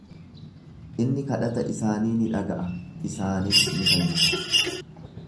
Inni kadhata isaanii ni dhaga'a, isaanis ni fayyisa.